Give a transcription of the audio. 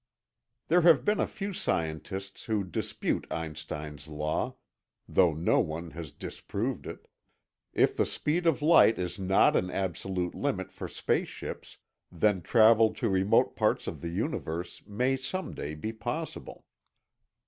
There have been a few scientists who dispute Einstein's law, though no one has disproved it. If the speed of light is not an absolute limit for space ships, then travel to remote parts of the universe may someday be possible.